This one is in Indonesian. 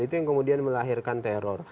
itu yang kemudian melahirkan teror